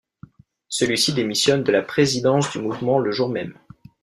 Celui-ci démissionne de la présidence du mouvement le jour même.